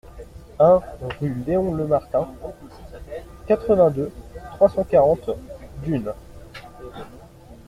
un rue Léon Lemartin, quatre-vingt-deux, trois cent quarante, Dunes